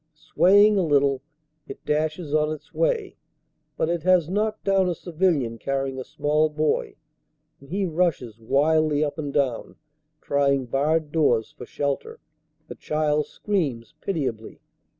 Sway ing a little, it dashes on its way, but it has knocked down a civilian carrying a small boy, and he rushes wildly up and down trying barred doors for shelter. The child screams pitiably.